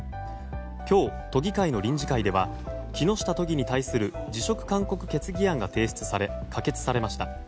今日、都議会の臨時会では木下都議に対する辞職勧告決議案が提出され可決されました。